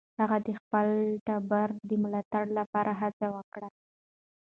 هغه د خپل ټبر د ملاتړ لپاره هڅه وکړه.